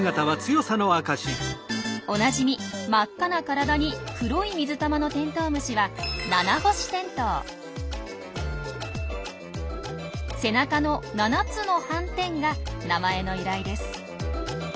おなじみ真っ赤な体に黒い水玉のテントウムシは背中の７つの斑点が名前の由来です。